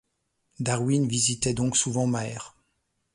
Darwin visitait donc souvent Maer.